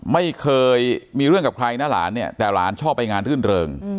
ไม่เคยมีเรื่องกับใครนะหลานเนี่ยแต่หลานชอบไปงานรื่นเริง